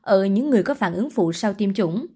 ở những người có phản ứng phụ sau tiêm chủng